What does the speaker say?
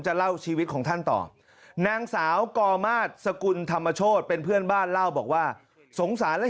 อื้อแล้วก็พื้นใจทรงมากินไหนโดกกับมันเป็นสี่พันก็เลยเป็นสี่เรท